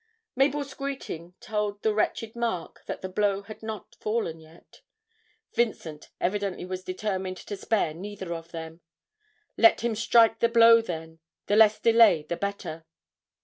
Mabel's greeting told the wretched Mark that the blow had not fallen yet. Vincent evidently was determined to spare neither of them. Let him strike now, then; the less delay the better.